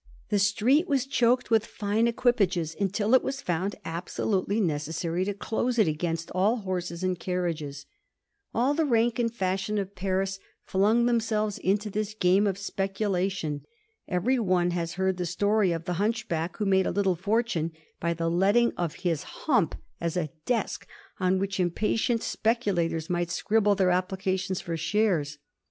The street was choked with fine equipages, until it was found absolutely necessary to close it against all horses and carriages. All the rank and fashion of Paris flung itself into this game of specu lation. Every one has heard the story of the hunchback who made a little fortune by the letting of his hump as a desk on which impatient specu lators might scribble their applications for shares.